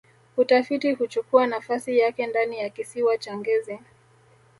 utafiti huchukua nafasi yake ndani ya kisiwa cha ngezi